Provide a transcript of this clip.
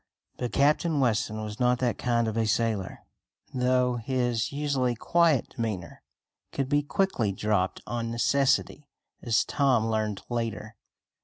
But Captain Weston was not that kind of a sailor, though his usually quiet demeanor could be quickly dropped on necessity, as Tom learned later.